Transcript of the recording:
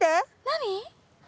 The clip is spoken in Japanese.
何？